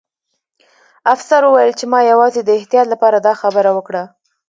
افسر وویل چې ما یوازې د احتیاط لپاره دا خبره وکړه